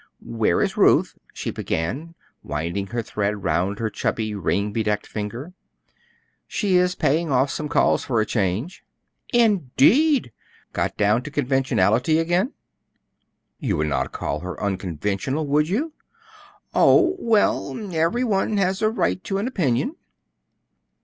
"Where is Ruth?" she began, winding her thread round her chubby, ring bedecked finger. "She is paying off some calls for a change." "Indeed! Got down to conventionality again?" "You would not call her unconventional, would you?" "Oh, well; every one has a right to an opinion."